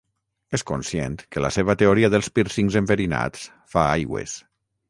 És conscient que la seva teoria dels pírcings enverinats fa aigües.